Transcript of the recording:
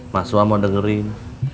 mas suha mau dengerin